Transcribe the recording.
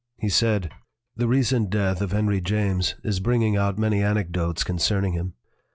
He said: "The recent death of Henry James is bringing out many anecdotes concerning him.